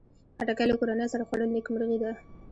خټکی له کورنۍ سره خوړل نیکمرغي ده.